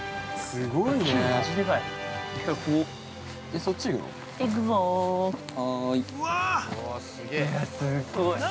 ◆すごい。